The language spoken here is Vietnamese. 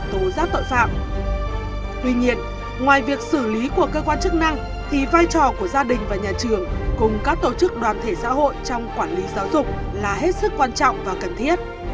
tuy nhiên ngoài việc xử lý của cơ quan chức năng thì vai trò của gia đình và nhà trường cùng các tổ chức đoàn thể xã hội trong quản lý giáo dục là hết sức quan trọng và cần thiết